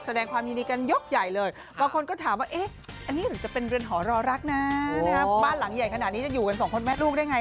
แสดงความยินดีกันยกใหญ่เลยบางคนก็ถามว่าเอ๊ะอันนี้หรือจะเป็นเรือนหอรอรักนะบ้านหลังใหญ่ขนาดนี้จะอยู่กันสองคนแม่ลูกได้ไง